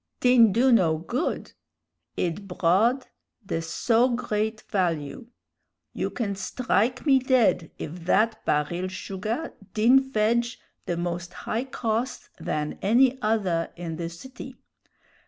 "Din do no good! Id broughd the so great value! You can strike me dead if thad baril sugah din fedge the more high cost than any other in the city.